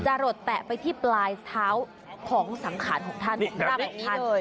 จะหลดแตะไปที่ปลายเท้าของสังขารของท่านนี่แบบนี้ด้วย